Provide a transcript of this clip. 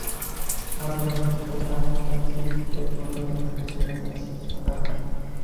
গতকাল বিকাল পাঁচটার দিকে প্রথম স্ত্রীর সঙ্গে তাঁর শেষ কথা হয়।